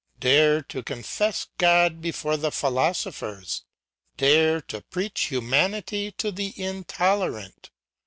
Dare to confess God before the philosophers; dare to preach humanity to the intolerant.